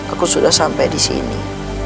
aku sudah sampai di sini